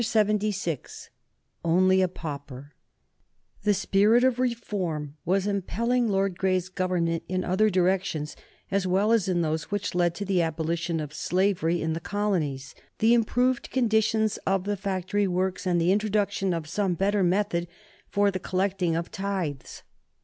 [Sidenote: 1832 The poor law system] The spirit of reform was impelling Lord Grey's Government in other directions as well as in those which led to the abolition of slavery in the Colonies, the improved conditions of the factory works and the introduction of some better method for the collecting of tithes.